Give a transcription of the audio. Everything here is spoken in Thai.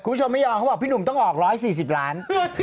คุณผู้ชมไม่ยอมเขาบอกพี่หนุ่มต้องออก๑๔๐ล้าน